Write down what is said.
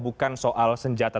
bukan soal senjata